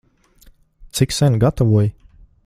Cik sen gatavoji?